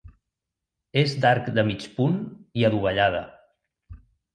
És d'arc de mig punt i adovellada.